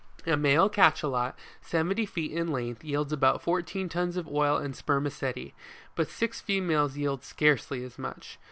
A male Cachalot, seventy feet in length, yields about fourteen tons of oil and spermaceti, but six females yield scarcely as much.